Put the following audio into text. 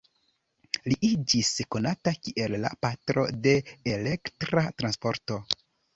Li iĝis konata kiel la "Patro de Elektra Transporto".